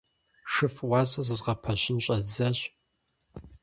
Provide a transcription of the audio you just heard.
ШыфӀ уасэ зэзгъэпэщын щӀэздзащ.